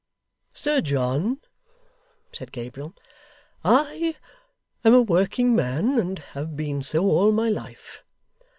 'Sir John,' said Gabriel, 'I am a working man, and have been so, all my life.